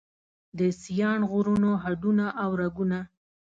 د سیاڼ غرونو هډونه او رګونه